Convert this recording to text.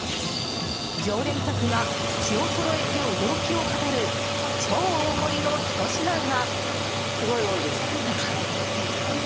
常連客が口をそろえて驚きを語る超大盛りのひと品が。